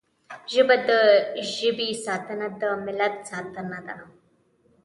ژبه د ژبې ساتنه د ملت ساتنه ده